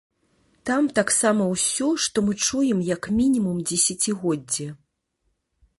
Там таксама ўсё, што мы чуем як мінімум дзесяцігоддзе.